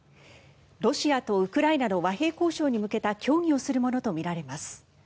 ロシアとウクライナの和平交渉に向けた協議をするものとみられます。